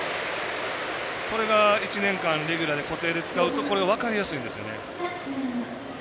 これが１年間レギュラーで固定で使うとこれが分かりやすいんですよね。